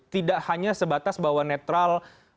tidak hanya sebatas bahwa netral